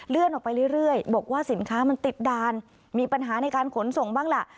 ออกไปเรื่อยบอกว่าสินค้ามันติดด่านมีปัญหาในการขนส่งบ้างล่ะ